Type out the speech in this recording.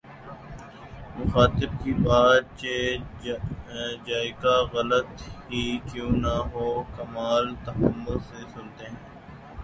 مخاطب کی بات چہ جائیکہ غلط ہی کیوں نہ ہوکمال تحمل سے سنتے ہیں